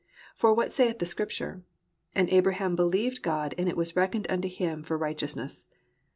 For what saith the scripture? And Abraham believed God and it was reckoned unto him for righteousness.